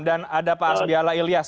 dan ada pak asbiala ilyas